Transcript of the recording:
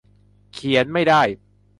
เขียนไม่ได้